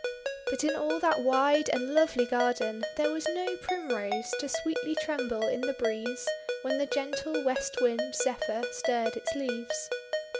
But in all that wide and lovely garden there was no Primrose to sweetly tremble in the breeze, when the gentle West Wind, Zephyr, stirred its leaves.